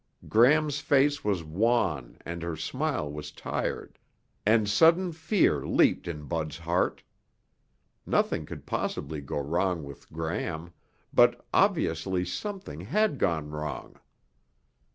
Gram's face was wan and her smile was tired, and sudden fear leaped in Bud's heart. Nothing could possibly go wrong with Gram, but obviously something had gone wrong.